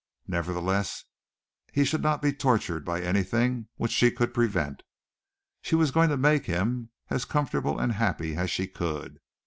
Nevertheless, he should not be tortured by anything which she could prevent. She was going to make him as comfortable and happy as she could.